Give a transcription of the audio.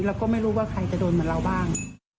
เราก็ไม่รู้ว่าใครจะโดนเหมือนเราบ้าง